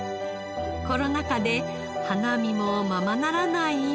コロナ禍で花見もままならない